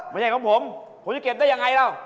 ไม่ใช่ของผมผมจะเก็บได้ยังไงล่ะ